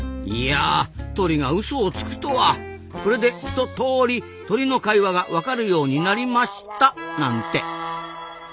いや鳥がウソをつくとはこれでひとトーリ鳥の会話が分かるようになりましたなんて。